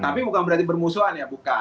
tapi bukan bermusuhan ya